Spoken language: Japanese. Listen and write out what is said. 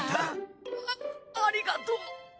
あありがとう。